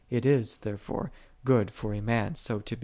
4 It is,'5 therefore, " ood lor a man so 15.